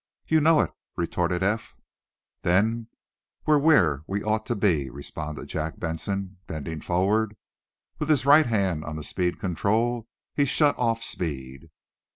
"You know it," retorted Eph. "Then we're where we ought to be," responded Jack Benson, bending forward. With his right hand on the speed control he shut off speed.